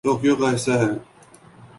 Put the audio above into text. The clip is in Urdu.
ٹوکیو کا حصہ ہے